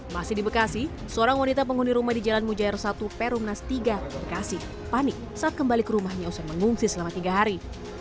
masih di bekasi seorang wanita penghuni rumah di jalan mujair satu perumnas tiga bekasi panik saat kembali ke rumahnya usai mengungsi selama tiga hari